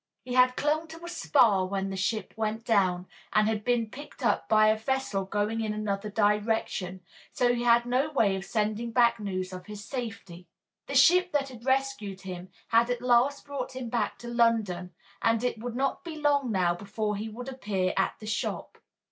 He had clung to a spar when the ship went down, and had been picked up by a vessel going in another direction, so he had had no way of sending back news of his safety. The ship that had rescued him had at last brought him back to London, and it would not be long now before he would appear at the shop.